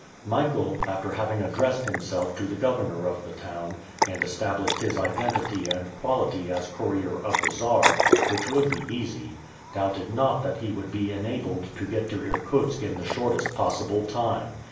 Michael, after having addressed himself to the governor of the town, and established his identity and quality as Courier of the Czar which would be easy doubted not that he would be enabled to get to Irkutsk in the shortest possible time.